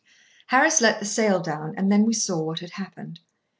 Harris let the sail down, and then we saw what had happened.